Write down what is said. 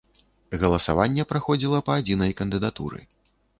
Галасаванне праходзіла па адзінай кандыдатуры.